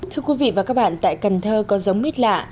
thưa quý vị và các bạn tại cần thơ có giống mít lạ